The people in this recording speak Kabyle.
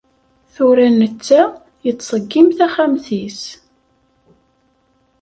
Tura netta, yettseggim taxxamt-is.